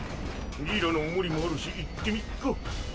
ギーラのお守りもあるし行ってみっか。